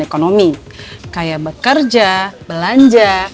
ekonomi kayak bekerja belanja